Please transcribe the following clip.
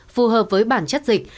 phù hợp với bản chất dịch